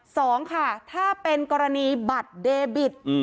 สองค่ะถ้าเป็นกรณีบัตรเดบิต